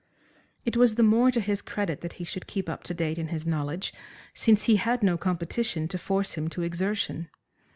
It was the more to his credit that he should keep up to date in his knowledge, since he had no competition to force him to exertion.